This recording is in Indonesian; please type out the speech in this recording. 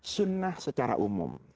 sunnah secara umum